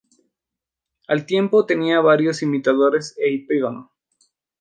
Al mismo tiempo tenía varios imitadores y epígonos.